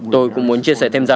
tôi cũng muốn chia sẻ thêm ra